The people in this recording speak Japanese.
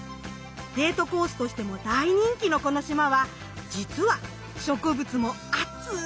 デートコースとしても大人気のこの島はじつは植物もアツいスポットなんです。